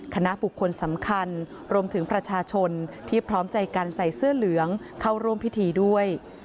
คณะบุคคลสำคัญรวมถึงประชาชนที่พร้อมใจกันใส่เสื้อเหลืองเข้าร่วมพิธีด้วย